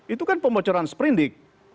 itu kan pembocoran sepilindik